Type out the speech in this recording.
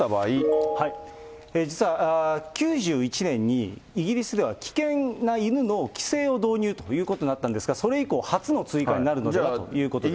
実は９１年に、イギリスでは危険な犬の規制を導入ということになったんですけれども、それ以降、初の追加になるのではということです。